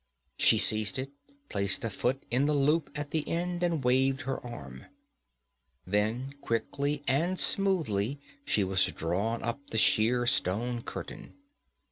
She seized it, placed a foot in the loop at the end, and waved her arm. Then quickly and smoothly she was drawn up the sheer stone curtain.